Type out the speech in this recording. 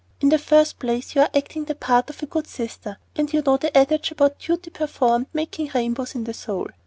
In the first place you are acting the part of a good sister; and you know the adage about duty performed making rainbows in the soul.